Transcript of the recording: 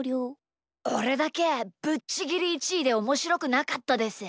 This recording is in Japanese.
おれだけぶっちぎり１いでおもしろくなかったです。